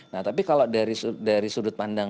nah tapi kalau dari sudut pandang korporasi itu memang betul